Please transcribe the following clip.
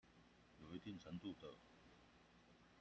有一定程度的